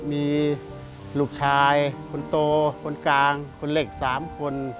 มีลูกชายคนโตคนกลางคนเล็ก๓คน